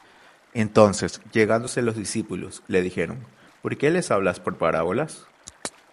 Entonces, llegándose los discípulos, le dijeron: ¿Por qué les hablas por parábolas?